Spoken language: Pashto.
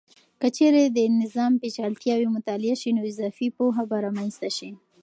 که چیرې د نظام پیچلتیاوې مطالعه سي، نو اضافي پوهه به رامنځته سي.